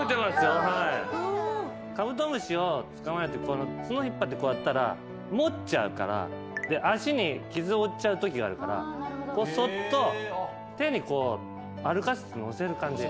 カブトムシを捕まえて角引っ張ってこうやったら持っちゃうから脚に傷負っちゃうときがあるからそっと手にこう歩かせて乗せる感じ。